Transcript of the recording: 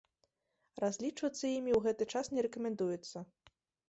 Разлічвацца імі ў гэты час не рэкамендуецца.